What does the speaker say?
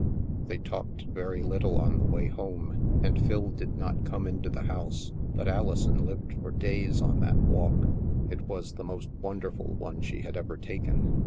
They talked very little on the way home, and Phil did not come into the house, but Alison lived for STILL WATERS 8i days on that walk. It was the most wonderful one she had ever taken